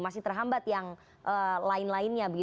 masih terhambat yang lain lainnya